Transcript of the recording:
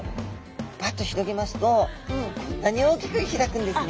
バッと広げますとこんなに大きく開くんですね。